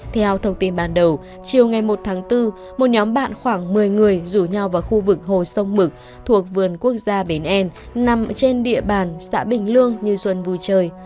theo thông tin ban đầu chiều ngày một tháng bốn một nhóm bạn khoảng một mươi người rủ nhau vào khu vực hồ sông mực thuộc vườn quốc gia bến em nằm trên địa bàn xã bình lương như xuân vui chơi